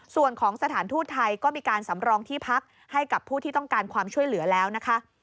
ส่วนของสถานทูตไทยก็มีการสำรองที่พักให้กับผู้ที่ต้องการความช่วยเหลือแล้วนะคะ